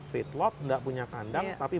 feedlot tidak punya kandang tapi